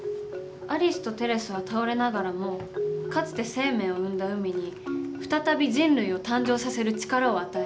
アリスとテレスは倒れながらもかつて生命を生んだ海に再び人類を誕生させる力を与える。